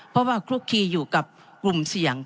เพราะว่าคลุกคีอยู่กับกลุ่มเสี่ยง